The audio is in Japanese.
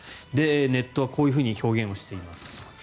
ネットはこういうふうに表現しています。